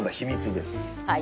はい。